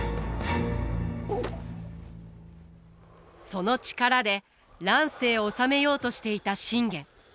その力で乱世を治めようとしていた信玄。